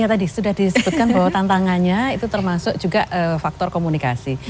ya tadi sudah disebutkan bahwa tantangannya itu termasuk juga faktor komunikasi